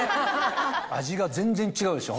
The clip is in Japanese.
味が全然違うでしょ？